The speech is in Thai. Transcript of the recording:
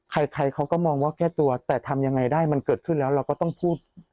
ใครใครเขาก็มองว่าแก้ตัวแต่ทำยังไงได้มันเกิดขึ้นแล้วเราก็ต้องพูด